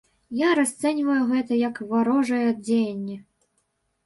Я расцэньваю гэта як варожыя дзеянні.